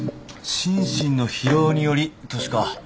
「心身の疲労により」としか。